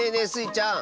ちゃん